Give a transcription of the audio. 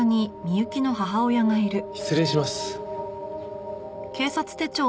失礼します。